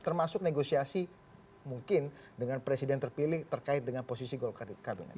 termasuk negosiasi mungkin dengan presiden terpilih terkait dengan posisi golkar di kabinet